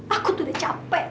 aku tuh udah capek